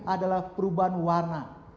adalah perubahan warna